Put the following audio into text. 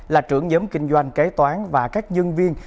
là trưởng nhóm kinh doanh kế toán và các nhân viên